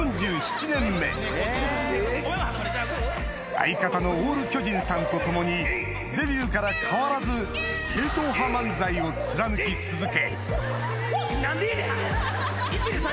相方のオール巨人さんと共にデビューから変わらず正統派漫才を貫き続け何でやねん！